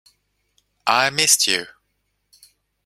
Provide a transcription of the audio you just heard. I missed you.